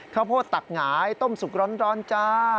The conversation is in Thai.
ข้าวโพดตักหงายต้มสุกร้อนจ้า